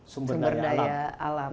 sumber daya alam